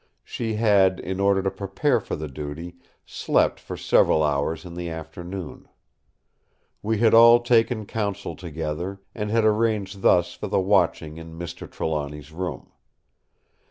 She had, in order to prepare for the duty, slept for several hours in the afternoon. We had all taken counsel together, and had arranged thus for the watching in Mr. Trelawny's room.